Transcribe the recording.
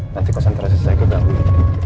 nanti kau sentrasi saya ke ganggu ini